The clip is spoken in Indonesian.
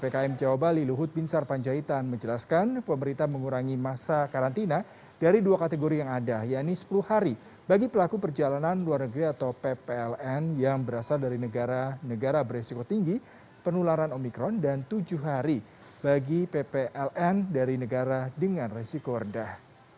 kenaikan berasal dari negara negara beresiko tinggi penularan omikron dan tujuh hari bagi ppln dari negara dengan resiko redah